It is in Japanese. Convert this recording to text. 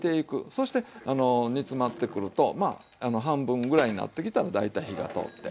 そして煮詰まってくるとまあ半分ぐらいになってきたら大体火が通って。